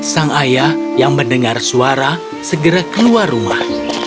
sang ayah yang mendengar suara segera keluar rumah